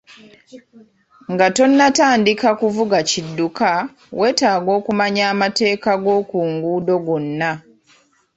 Nga tonnatandika kuvuga kidduka, weetaaga okumanya amateeka g'oku nguudo gonna.